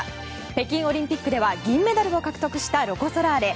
北京オリンピックでは銀メダルを獲得したロコ・ソラーレ。